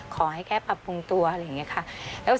ขอให้แค่ปรับปรุงตัวอะไรอย่างนี้ค่ะ